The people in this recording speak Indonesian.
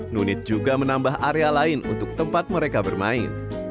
nunit juga menambah area lain untuk tempat mereka bermain